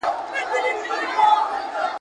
هم کاغذ هم یې قلم ورته پیدا کړ ,